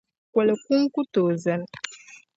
Koli’ kuŋ ku tooi zani.